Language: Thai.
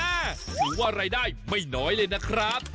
ถือว่ารายได้ไม่น้อยเลยนะครับ